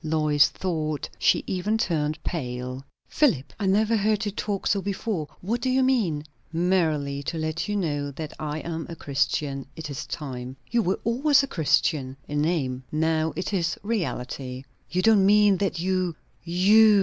Lois thought she even turned pale. "Philip! I never heard you talk so before. What do you mean?" "Merely to let you know that I am a Christian. It is time." "You were always a Christian!" "In name. Now it is reality." "You don't mean that you _you!